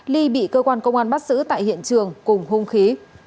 ly bị cơ quan công an bắt giữ tại hiện trường cùng hung khí